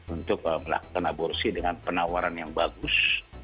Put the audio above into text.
untuk melakukan aborsi dengan penawaran yang bagus